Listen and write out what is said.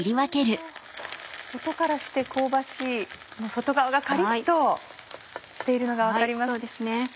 音からして香ばしい外側がカリっとしているのが分かります。